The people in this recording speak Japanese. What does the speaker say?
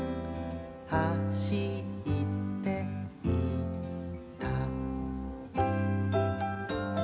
「はしっていった」